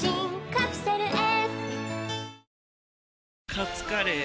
カツカレー？